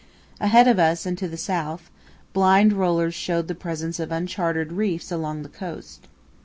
Ahead of us and to the south, blind rollers showed the presence of uncharted reefs along the coast.